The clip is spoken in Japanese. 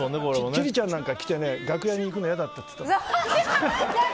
千里ちゃんなんか来てね楽屋に行くの嫌だって言ってましたもん。